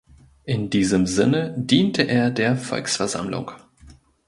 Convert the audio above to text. In diesem Sinne diente er der „Volksversammlung“.